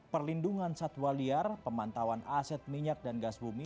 perlindungan satwa liar pemantauan aset minyak dan gas bumi